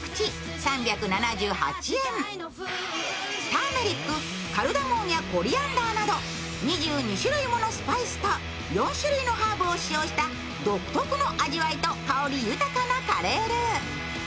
ターメリック、カルダモンやコリアンダーなど、２２種類ものスパイスと４種類のハーブを使用した独特の味わいと香り豊かなカレールー。